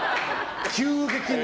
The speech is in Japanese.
急激に。